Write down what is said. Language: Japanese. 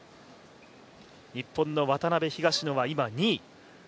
日本の渡辺・東野は今、２位。